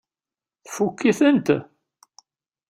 Tfukk-itent?